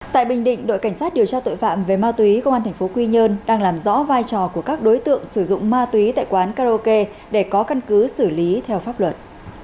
tại bình định đội cảnh sát điều tra tội phạm về ma túy công an tp quy nhơn đang làm rõ vai trò của các đối tượng sử dụng ma túy tại quán karaoke để có căn cứ xử lý theo pháp luật